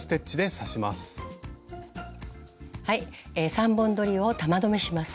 ３本どりを玉留めします。